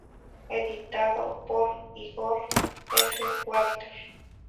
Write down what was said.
Editado por Igor F. Walter.